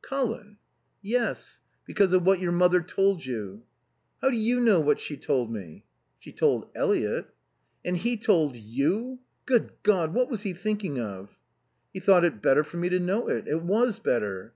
"Colin?" "Yes. Because of what your mother told you?" "How do you know what she told me?" "She told Eliot." "And he told you? Good God! what was he thinking of?" "He thought it better for me to know it. It was better."